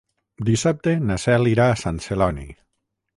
Dissabte na Cel irà a Sant Celoni.